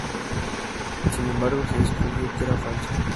Sin embargo se descubrió que era falso.